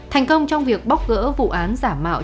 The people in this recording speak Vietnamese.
thành công trong việc bóc gỡ vụ án giả mạo